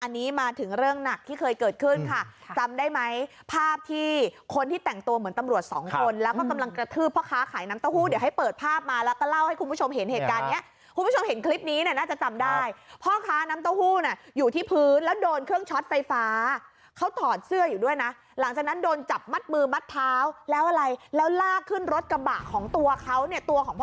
อันนี้มาถึงเรื่องหนักที่เคยเกิดขึ้นค่ะจำได้ไหมภาพที่คนที่แต่งตัวเหมือนตำรวจสองคนแล้วก็กำลังกระทืบพ่อค้าขายน้ำเต้าหู้เดี๋ยวให้เปิดภาพมาแล้วก็เล่าให้คุณผู้ชมเห็นเหตุการณ์เนี้ยคุณผู้ชมเห็นคลิปนี้เนี้ยน่าจะจำได้พ่อค้าน้ำเต้าหู้น่ะอยู่ที่พื้นแล้วโดนเครื่องช็อตไฟฟ้าเขา